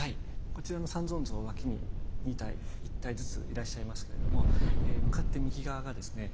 こちらの三尊像脇に２体１体ずついらっしゃいますけれども向かって右側がですね